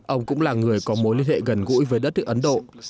ông cũng là người có mối liên hệ gần gũi với đất nước ấn độ